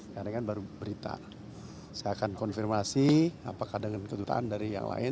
karena kan baru berita saya akan konfirmasi apakah dengan kedutaan dari yang lain